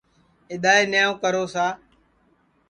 اِدائے نِیاو کرو سا